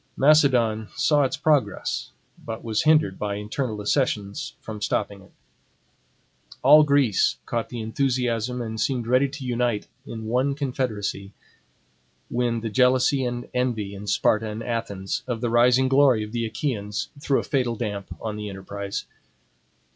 Macedon saw its progress; but was hindered by internal dissensions from stopping it. All Greece caught the enthusiasm and seemed ready to unite in one confederacy, when the jealousy and envy in Sparta and Athens, of the rising glory of the Achaeans, threw a fatal damp on the enterprise.